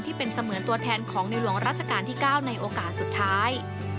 เป็นเสมือนตัวแทนของในหลวงราชการที่๙ในโอกาสสุดท้าย